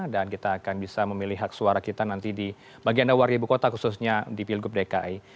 dan kita akan bisa memilih hak suara kita nanti di bagian warga ibu kota khususnya di pilgub dki